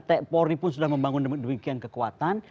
tepori pun sudah membangun demikian kekuatan